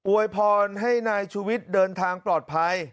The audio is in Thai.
วยพรให้นายชุวิตเดินทางปลอดภัย